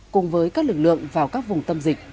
cùng với các lực lượng vào các vùng tâm dịch